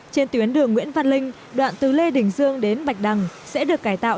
trên tuyến đường nguyễn văn linh đoạn từ lê đình dương đến bạch đằng sẽ được cải tạo